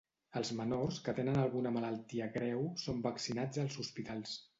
Els menors que tenen alguna malaltia greu són vaccinats als hospitals.